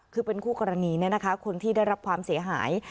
คือเป็นคู่กรณีคนที่ได้รับความเสียหาย